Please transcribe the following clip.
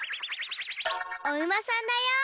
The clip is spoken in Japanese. おうまさんだよ！